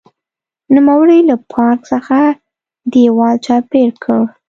نوموړي له پارک څخه دېوال چاپېر کړ.